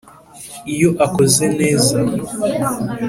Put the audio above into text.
iyo akoze neza,